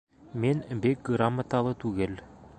Мин бик грамоталы түгел